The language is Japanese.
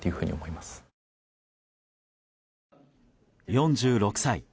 ４６歳。